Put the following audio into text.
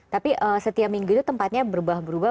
tapi setiap minggu itu tempatnya berubah berubah